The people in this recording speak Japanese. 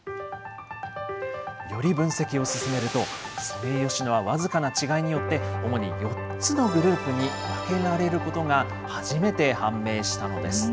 より分析を進めると、ソメイヨシノは僅かな違いによって、主に４つのグループに分けられることが初めて判明したのです。